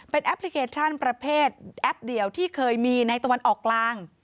แอปพลิเคชันประเภทแอปเดียวที่เคยมีในตะวันออกกลาง